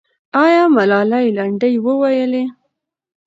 آیا ملالۍ لنډۍ وویلې؟